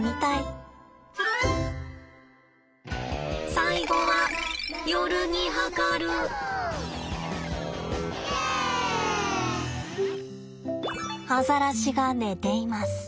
最後はアザラシが寝ています。